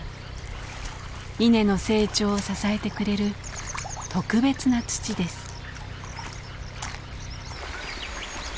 稲の成長を支えてくれる特別な土です。